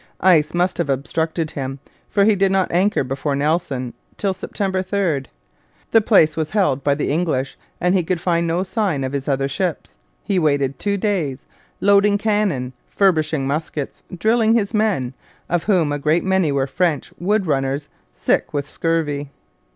Ice must have obstructed him, for he did not anchor before Nelson till September 3. The place was held by the English and he could find no sign of his other ships. He waited two days, loading cannon, furbishing muskets, drilling his men, of whom a great many were French wood runners sick with scurvy.